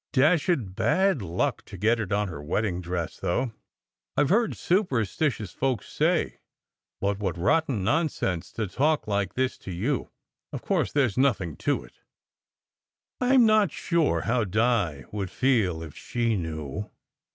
"Dashed bad luck to get it on her wedding dress, though, I ve heard superstitious folks say but what rotten non sense to talk like this to you! Of course, there s nothing in it." "I m not sure how Di would feel if she knew.